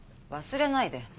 忘れないで。